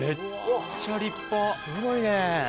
すごいね。